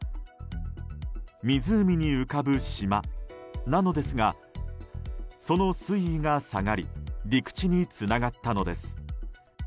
湖に浮かぶ島なのですがその水位が下がり陸地につながったのです。